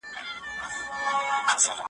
او « د سیند پرغاړه» `